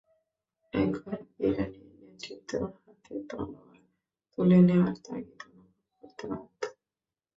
এখন ইরানি নেতৃত্ব হাতে তলোয়ার তুলে নেওয়ার তাগিদ অনুভব করতে বাধ্য।